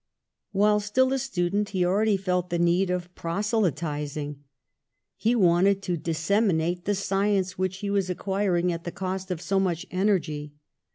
A LABORIOUS YOUTH 21 While still a student he already felt the need of proselytising; he wanted to disseminate the science which he was acquiring at the cost of so much energy.